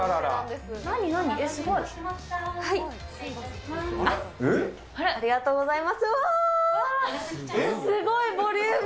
すごいボリューム！